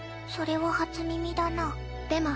それは初耳だな。